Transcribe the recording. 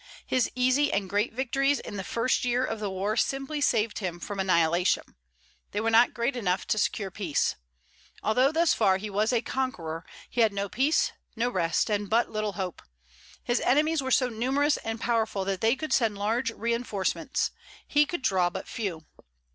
His easy and great victories in the first year of the war simply saved him from annihilation; they were not great enough to secure peace. Although thus far he was a conqueror, he had no peace, no rest, and but little hope. His enemies were so numerous and powerful that they could send large reinforcements: he could draw but few.